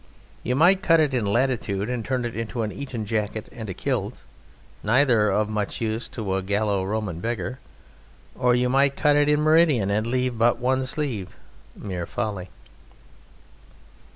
You might cut it in latitude and turn it into an Eton jacket and a kilt, neither of much use to a Gallo Roman beggar. Or you might cut it in meridian and leave but one sleeve: mere folly.